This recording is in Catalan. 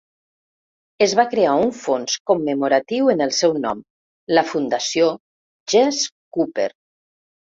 Es va crear un fons commemoratiu en el seu nom, la Fundació Jesse Cooper.